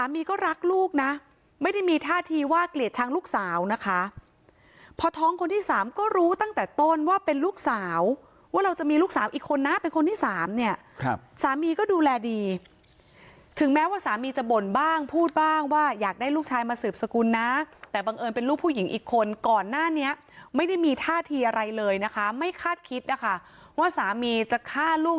มีก็รักลูกนะไม่ได้มีท่าทีว่าเกลียดช้างลูกสาวนะคะพอท้องคนที่สามก็รู้ตั้งแต่ต้นว่าเป็นลูกสาวว่าเราจะมีลูกสาวอีกคนนะเป็นคนที่สามเนี่ยสามีก็ดูแลดีถึงแม้ว่าสามีจะบ่นบ้างพูดบ้างว่าอยากได้ลูกชายมาสืบสกุลนะแต่บังเอิญเป็นลูกผู้หญิงอีกคนก่อนหน้านี้ไม่ได้มีท่าทีอะไรเลยนะคะไม่คาดคิดนะคะว่าสามีจะฆ่าลูก